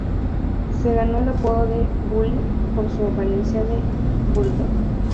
Se ganó el apodo de "Bully" por su apariencia de bulldog.